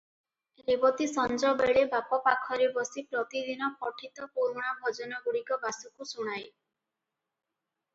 ରେବତୀ ସଞ୍ଜବେଳେ ବାପ ପାଖରେ ବସି ପ୍ରତିଦିନ ପଠିତ ପୁରୁଣା ଭଜନଗୁଡ଼ିକ ବାସୁକୁ ଶୁଣାଏ ।